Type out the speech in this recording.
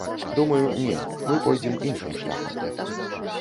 Думаю, не, мы пойдзем іншым шляхам.